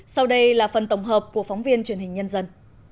sau đây là phần tổng hợp của phóng viên truyền hình nhân dân